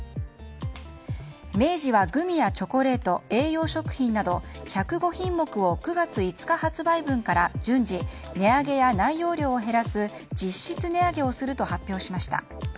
明治はグミやチョコレート栄養食品など１０５品目を９月５日発売分から順次、値上げや内容量を減らす実質値上げをすると発表しました。